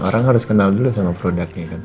orang harus kenal dulu sama produknya